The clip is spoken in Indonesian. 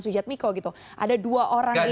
sujad miko gitu ada dua orang ini yang